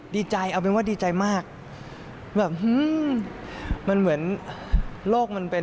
ดีใจเอาเป็นว่าดีใจมาก